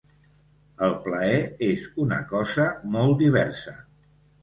El plaer és una cosa molt diversa.